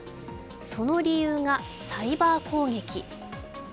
その理由が、サイバー攻撃。